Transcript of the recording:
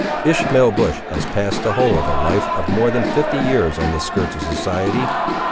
Ishmael Bush had passed the whole of a life of more than fifty years on the skirts of society.